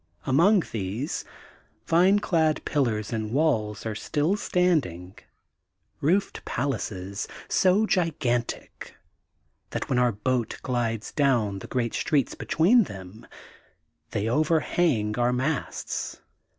Among these, vineclad pillars and walls are still standing, roofed palaces, s<^ gigantic that, when our boat glides down the great streets between them, they overhang our masts.